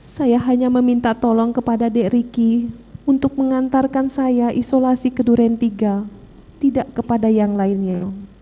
saya hanya meminta tolong kepada dek riki untuk mengantarkan saya isolasi ke duren tiga tidak kepada yang lainnya